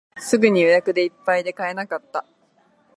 すぐに予約でいっぱいで買えなかった